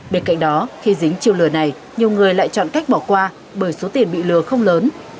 bên cạnh đó khi dính chiêu lừa này nhiều người lại chọn cách bỏ qua bởi số tiền bị lừa không lớn